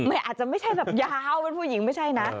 อาจจะไม่ใช่แบบยาวเป็นผู้หญิงไม่ใช่นะ